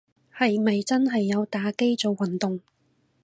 係咪真係有打機做運動